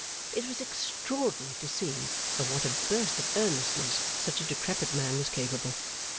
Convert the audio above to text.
It was extraordinary to see of what a burst of earnestness such a decrepit man was capable.